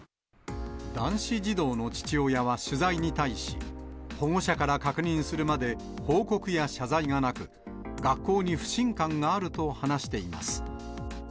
男子児童の父親は取材に対し、保護者から確認するまで報告や謝罪がなく、学校に不信感があると話しています。